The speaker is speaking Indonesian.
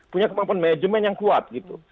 punya kemampuan manajemen yang kuat gitu